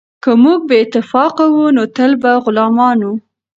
که موږ بې اتفاقه وو نو تل به غلامان وو.